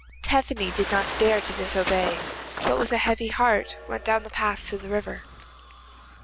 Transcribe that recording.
Tephany did not dare to disobey, but with a heavy heart went down the path to the river.